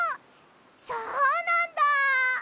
そうなんだ！